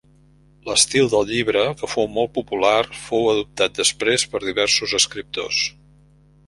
L'estil del llibre, que fou molt popular, fou adoptat després per diversos escriptors.